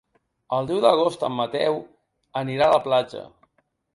El deu d'agost en Mateu anirà a la platja.